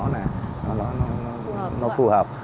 thì nó phù hợp